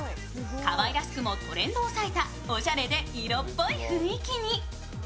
かわいらしくもトレンドを押さえたおしゃれで色っぽい雰囲気に。